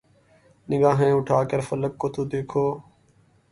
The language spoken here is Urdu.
نگاھیں اٹھا کر فلک کو تو دیکھو